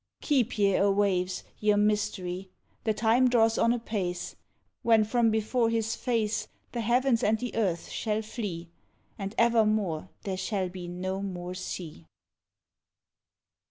Keep ye, oh waves! your mystery: The time draws on apace, When from before His face, The heavens and the earth shall flee, And evermore there shall be no more sea!